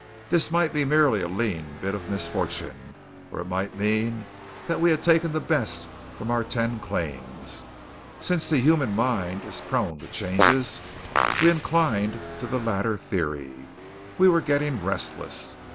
This might be merely a lean bit of misfortune, or it might mean that we had taken the best from our ten claims. Since the human mind is prone to changes, we inclined to the latter theory. We were getting restless.